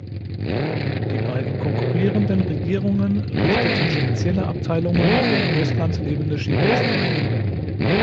Die beiden konkurrierenden Regierungen richteten spezielle Abteilungen für im Ausland lebende Chinesen ein.